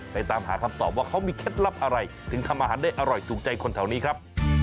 ตามหาคำตอบว่าเขามีเคล็ดลับอะไรถึงทำอาหารได้อร่อยถูกใจคนแถวนี้ครับ